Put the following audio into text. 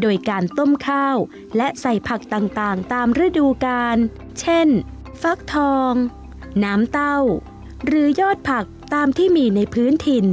โดยการต้มข้าวและใส่ผักต่างตามฤดูกาลเช่นฟักทองน้ำเต้าหรือยอดผักตามที่มีในพื้นถิ่น